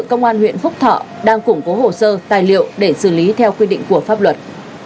công an huyện phúc thọ đang củng cố hồ sơ tài liệu để xử lý theo quy định của pháp luật